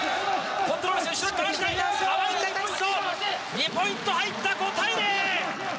２ポイント入った５対０！